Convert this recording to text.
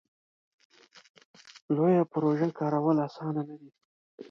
لویه پروژه کارول اسانه نه ده.